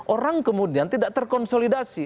orang kemudian tidak terkonsolidasi